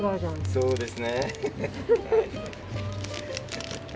そうです。